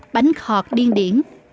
bánh khọt điên điển